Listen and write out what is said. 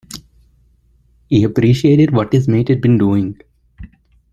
He appreciated what his mate had been doing.